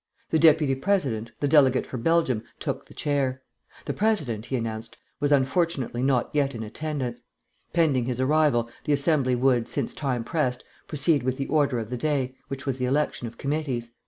The deputy President, the delegate for Belgium, took the chair. The President, he announced, was unfortunately not yet in attendance. Pending his arrival, the Assembly would, since time pressed, proceed with the order of the day, which was the election of committees....